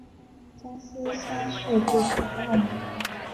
江西乡试第三十二名。